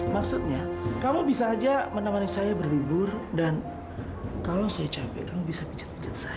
maksudnya kamu bisa aja menemani saya berlibur dan kalau saya capek kamu bisa pijat pijat saya